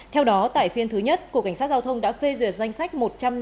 theo đó tại phiên thứ nhất cục cảnh sát giao thông đã phê duyệt danh sách